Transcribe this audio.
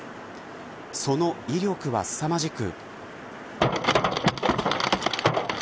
その威力はすさまじく。